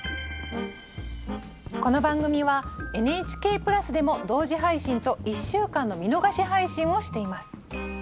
この番組はＮＨＫプラスでも同時配信と１週間の見逃し配信をしています。